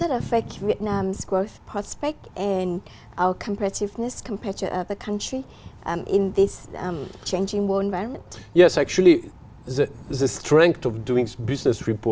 để phát triển văn hóa doanh nghiệp